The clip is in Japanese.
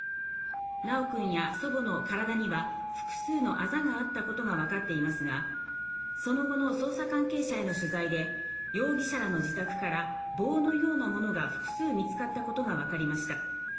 修くんや祖母の体には複数のあざがあったことがわかっていますが、その後の捜査関係者への取材で、容疑者らの自宅から棒のようなものが複数見つかったことがわかりました。